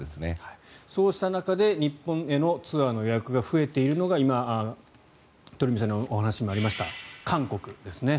そうした中、日本へのツアーの予約が増えているのが今、鳥海さんのお話にもあった韓国ですね。